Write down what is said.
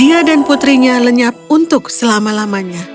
ia dan putrinya lenyap untuk selama lamanya